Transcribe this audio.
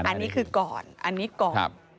อันนี้คือก่อนอันนี้ก่อน